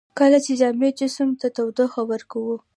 کله چې جامد جسم ته تودوخه ورکوو.